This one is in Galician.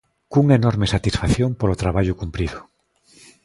Cunha enorme satisfacción polo traballo cumprido.